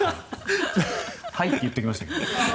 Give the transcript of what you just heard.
はいって言っておきましたけど。